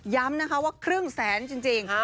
ย้ำนะคะว่าครึ่งแสนจริง